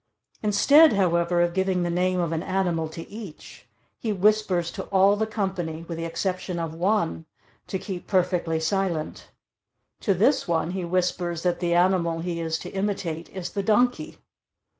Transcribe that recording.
Instead, however, of giving the name of an animal to each, he whispers to all the company, with the exception of one, to keep perfectly silent. To this one he whispers that the animal he is to imitate is the donkey.